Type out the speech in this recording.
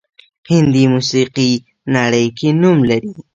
هندي موسیقي نړۍ کې نوم لري